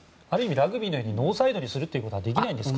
ラグビーのようにノーサイドにすることはできないんですか？